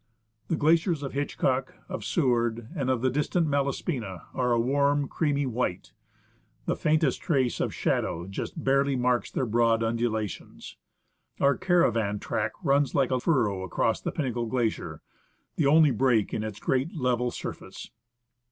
The glaciers of Hitchcock, of Seward, and of the distant Malaspina, are a warm creamy white ; the faintest trace of shadow just barely marks their broad undulations. Our caravan track runs like a furrow across the Pinnacle Glacier : the only break in its great level surface.